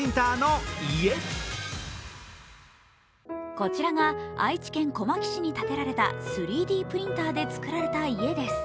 こちらが愛知県小牧市に建てられた３Ｄプリンターで作られた家です。